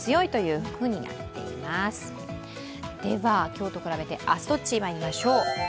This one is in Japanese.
今日と比べて明日どっち、まいりましょう。